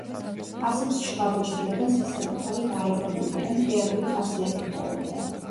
ასეთ შთაბეჭდილებას ის საკუთარი გარეგნობითა და მხიარული ხასიათით ტოვებდა.